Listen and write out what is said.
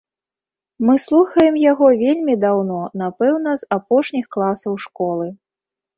Мы слухаем яго вельмі даўно, напэўна, з апошніх класаў школы.